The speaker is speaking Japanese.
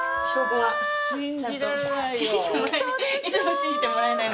信じられないよ！